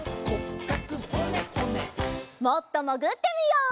もっともぐってみよう！